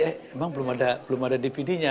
eh emang belum ada dvd nya